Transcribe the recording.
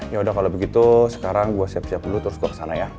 ya udah kalau begitu sekarang gue siap siap dulu terus gue kesana ya